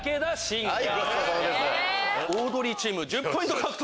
オードリーチーム１０ポイント獲得。